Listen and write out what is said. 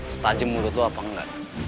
setajem mulut lu apa engga